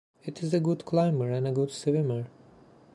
It is a good climber and a good swimmer.